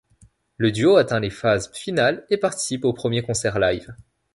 Le duo atteint les phases finales et participe au premier concert live.